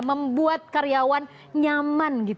membuat karyawan nyaman